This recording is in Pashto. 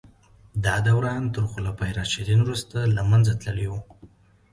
دا دوران تر خلفای راشدین وروسته له منځه تللی و.